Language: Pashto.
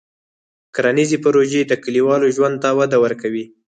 کرنيزې پروژې د کلیوالو ژوند ته وده ورکوي.